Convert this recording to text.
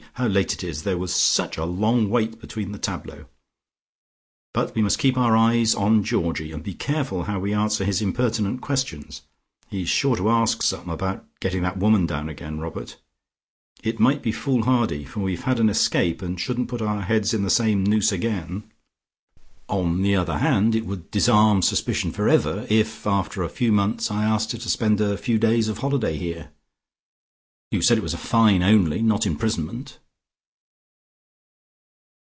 How late it is: there was such a long wait between the tableaux. But we must keep our eyes on Georgie, and be careful how we answer his impertinent questions. He is sure to ask some. About getting that woman down again, Robert. It might be fool hardy, for we've had an escape, and shouldn't put our heads into the same noose again. On the other hand, it would disarm suspicion for ever, if, after a few months, I asked her to spend a few days of holiday here. You said it was a fine only, not imprisonment?"